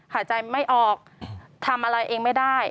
หายใจไม่ออกทำอะไรเองไม่ได้